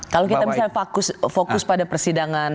kalau kita misalnya fokus pada persidangan